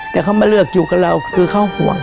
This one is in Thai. แต่เขามาเลือกอยู่กับเราคือเขาห่วง